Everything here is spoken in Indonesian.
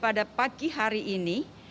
pada pagi hari ini